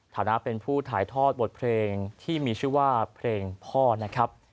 ฐานะเป็นผู้ถ่ายทอดบทเพลงที่มีชื่อว่าเพลงพ่อนะครับ